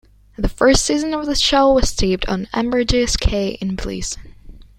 The first season of the show was taped on Ambergris Caye in Belize.